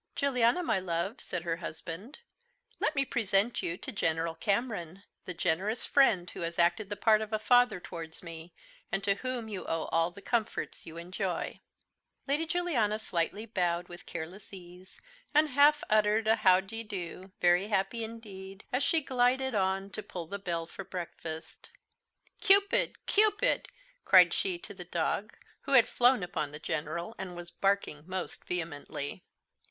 "Juliana, my love," said her husband, "let me present you to General Cameron the generous friend who has acted the part of a father towards me, and to whom you owe all the comforts you enjoy." Lady Juliana slightly bowed with careless ease, and half uttered a "How d'ye do? very happy indeed," as she glided on to pull the bell for breakfast. "Cupid, Cupid!" cried she to the dog, who had flown upon the General, and was barking most vehemently.